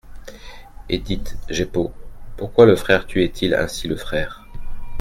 Et dites, Jeppo, pourquoi le frère tuait-il ainsi le frère ?